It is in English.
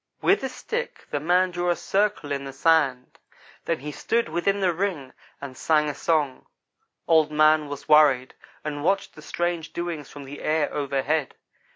"With a stick the man drew a cricle in the sand. Then he stood within the ring and sang a song. Old man was worried and watched the strange doings from the air overhead.